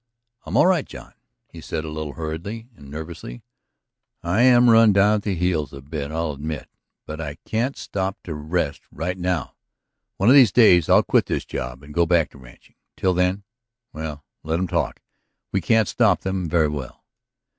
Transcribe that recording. "I'm all right, John," he said a little hurriedly and nervously. "I am run down at the heels a bit, I'll admit. But I can't stop to rest right now. One of these days I'll quit this job and go back to ranching. Until then ... Well, let them talk. We can't stop them very well."